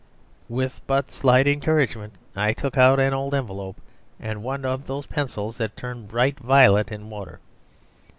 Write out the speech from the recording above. With but slight encouragement, I took out an old envelope and one of those pencils that turn bright violet in water.